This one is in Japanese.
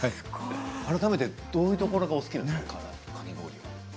改めてどういうところがお好きなんですか。